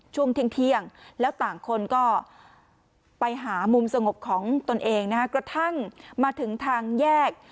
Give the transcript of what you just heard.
ช่วงเที่ยงแล้วต่างคนก็ไปหามุมสงบของตนเองนะฮะกระทั่งมาถึงทางแยก